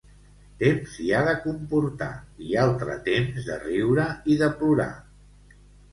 Temps hi ha de comportar i altre temps de riure i de plorar.